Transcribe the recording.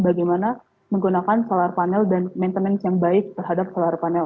bagaimana menggunakan solar panel dan maintenance yang baik terhadap solar panel